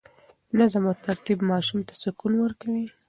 نظم او ترتیب ماشوم ته سکون ورکوي.